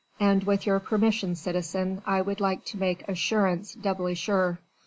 And with your permission, citizen, I would like to make assurance doubly sure."